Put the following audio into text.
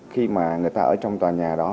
khi mà người ta ở trong tòa nhà đó